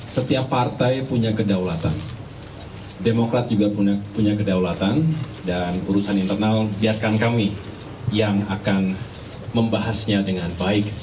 setiap partai punya kedaulatan demokrat juga punya kedaulatan dan urusan internal biarkan kami yang akan membahasnya dengan baik